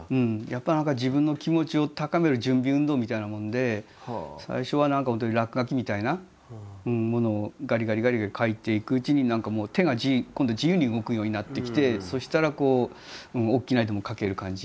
やっぱ何か自分の気持ちを高める準備運動みたいなもんで最初は何か本当に落書きみたいなものをガリガリガリガリ描いていくうちに何かもう手が今度自由に動くようになってきてそしたら大きな絵でも描ける感じ。